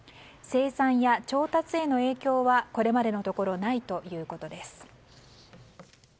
生産や調達への影響はこれまでのところないということです。